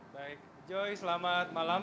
baik joy selamat malam